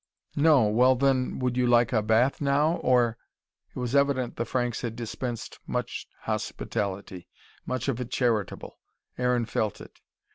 No well, then would you like a bath now, or ?" It was evident the Franks had dispensed much hospitality: much of it charitable. Aaron felt it.